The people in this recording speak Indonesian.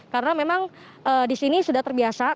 karena memang di sini sudah terbiasa